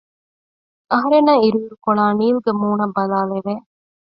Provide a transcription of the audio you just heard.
އަހަރެންނަށް އިރު އިރުކޮޅާ ނީލްގެ މޫނަށް ބަލާލެވެ